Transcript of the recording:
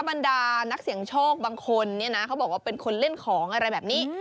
บรรดานักเสี่ยงโชคบางคนเนี่ยนะเขาบอกว่าเป็นคนเล่นของอะไรแบบนี้